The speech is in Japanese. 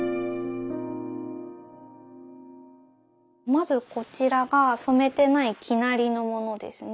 まずこちらが染めてない生成りのものですね。